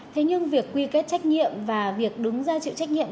thế nhưng việc quy kết trách nhiệm và việc đứng ra chịu trách nhiệm